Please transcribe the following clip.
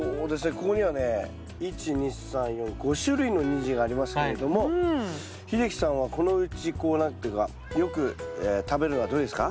ここにはね１２３４５種類のニンジンがありますけれども秀樹さんはこのうちこう何ていうかよく食べるのはどれですか？